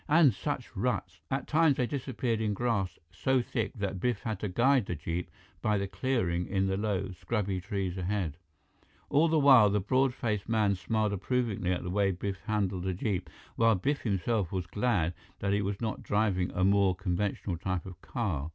And such ruts! At times they disappeared in grass so thick that Biff had to guide the jeep by the clearing in the low, scrubby trees ahead. All the while, the broad faced man smiled approvingly at the way Biff handled the jeep, while Biff himself was glad that he was not driving a more conventional type of car.